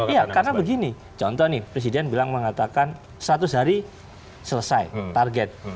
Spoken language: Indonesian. iya karena begini contoh nih presiden bilang mengatakan seratus hari selesai target